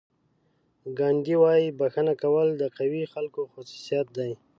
ګاندي وایي بښنه کول د قوي خلکو خصوصیت دی.